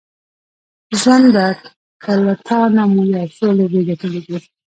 ژونده که له تانه مو یو څو لوبې ګټلې دي